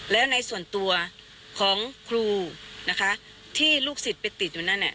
แล้วในส่วนตัวของครูนะคะที่ลูกศิษย์ไปติดอยู่นั่น